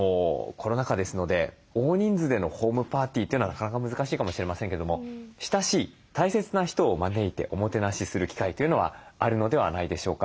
コロナ禍ですので大人数でのホームパーティーというのはなかなか難しいかもしれませんけども親しい大切な人を招いておもてなしする機会というのはあるのではないでしょうか。